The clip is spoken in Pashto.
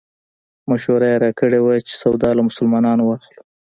مشوره یې راکړې وه چې سودا له مسلمانانو واخلو.